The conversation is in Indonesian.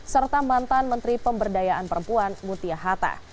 serta mantan menteri pemberdayaan perempuan mutia hatta